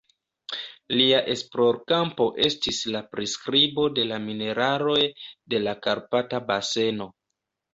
Lia esplorkampo estis la priskribo de la mineraloj de la Karpata baseno.